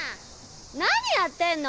何やってんの？